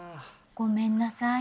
ごめんなさい。